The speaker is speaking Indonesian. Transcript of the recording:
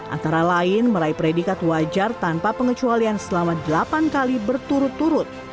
antara lain meraih predikat wajar tanpa pengecualian selama delapan kali berturut turut